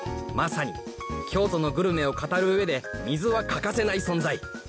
正に京都のグルメを語るうえで水は欠かせない存在